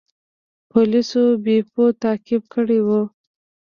پولیسو بیپو تعقیب کړی و.